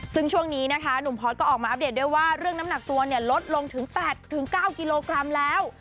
ซึ่งช่วงนี้นะคะหนุ่มพอร์ตก็ออกมาอัปเดตด้วยว่าเรื่องน้ำหนักตัวเนี่ยลดลงถึง๘๙กิโลกรัมแล้ว